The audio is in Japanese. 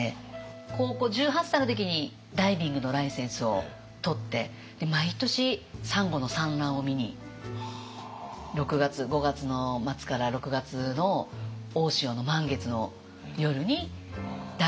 高校１８歳の時にダイビングのライセンスを取って毎年サンゴの産卵を見に５月の末から６月の大潮の満月の夜にダイビングをしに。